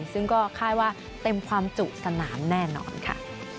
ซึ่งก็คาดว่าเต็มความจุสนามแน่นอนค่ะ